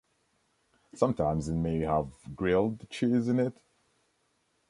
Sometimes, it may have grilled cheese in it.